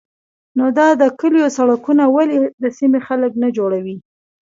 _نو دا د کليو سړکونه ولې د سيمې خلک نه جوړوي؟